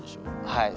はい。